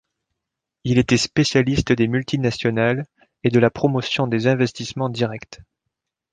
Il était spécialiste des multinationales et de la promotion des investissements directs.